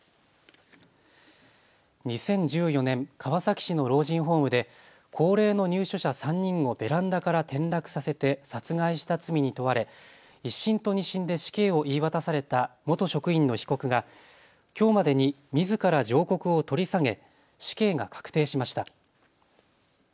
２０１４年、川崎市の老人ホームで高齢の入所者３人をベランダから転落させて殺害した罪に問われ１審と２審で死刑を言い渡された元職員の被告がきょうまでにみずから上告を取り下げ死刑が確定しました。